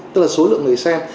tức là số lượng người xem